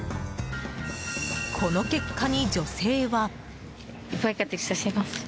この結果に女性は。